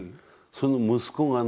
その息子がね